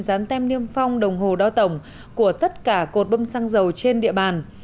dán tem niêm phong đồng hồ đo tổng của tất cả cột bâm xăng dầu trên địa bàn